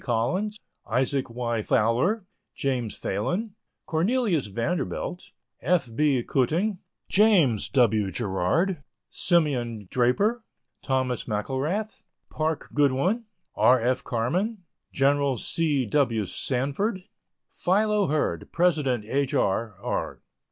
Collins, Isaac Y. Fowler, James Phalen, Cornelius Vanderbilt, F. B. Cuting, James W. Gerard, Simeon Draper, Thomas McElrath, Park Godwin, R. F. Carman, Gen. C. W. Sanford, Philo Hurd, President H. R. R.